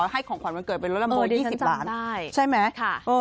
ให้ของขวัญวันเกิดเป็นรถลำโบ๒๐ล้านใช่ไหมค่ะเออ